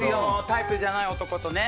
タイプじゃない男とね。